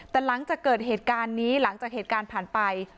แต่หลังจากเกิดเหตุการณ์นี้หลังจากเหตุการณ์ผ่านไป